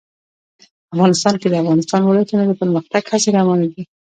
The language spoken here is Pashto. افغانستان کې د د افغانستان ولايتونه د پرمختګ هڅې روانې دي.